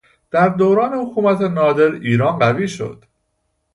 در دوران حکومت نادر ایران قوی شد.